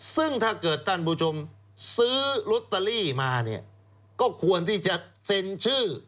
ซึ่งถ้าเกิดท่านผู้ชมซื้อลอตเตอรี่มาเนี่ยก็ควรที่จะเซ็นชื่อ